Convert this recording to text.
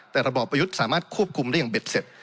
แต่ระบอบประยุทธ์สามารถควบคุมได้อย่างเบ็ดเสร็จ